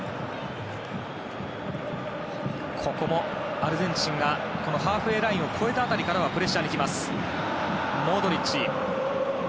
アルゼンチンがハーフウェーラインを越えた辺りからプレッシャーに来ます。